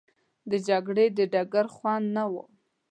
د جګړې د ډګر خوند نه وو.